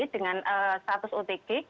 dengan status otg